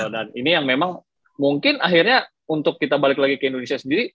dan ini yang memang mungkin akhirnya untuk kita balik lagi ke indonesia sendiri